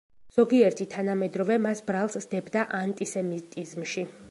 ზოგიერთი თანამედროვე მას ბრალს სდებდა ანტისემიტიზმში.